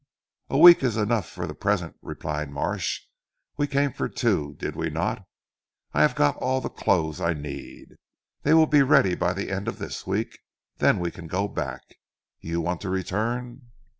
"A week is enough for the present," replied Marsh, "we came for two, did we not? I have got all the clothes, I need. They will be ready by the end of this week; then we can go back. You want to return?"